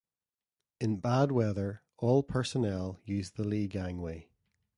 In bad weather, all personnel use the lee gangway.